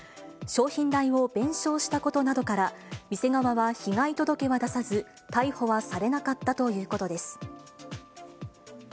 商品代を弁償したことなどから、店側は被害届は出さず、逮捕はされなかったということです。